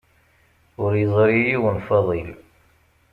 Ur yeẓri yiwen Faḍil.